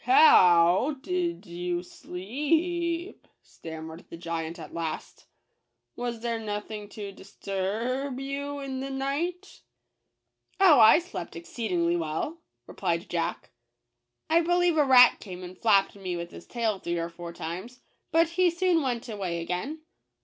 ho ow w w did you sle e e ep ?" stammered the giant at last. "Was there nothing to dist u r r b you in the night ?"" Oh, I slept exceedingly well," replied Jack. " I believe a rat came and flapped me with his tail three or four times ; but he soon went away again."